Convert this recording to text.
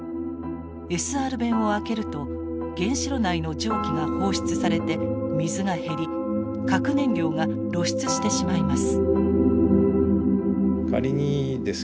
ＳＲ弁を開けると原子炉内の蒸気が放出されて水が減り核燃料が露出してしまいます。